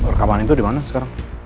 rekaman itu dimana sekarang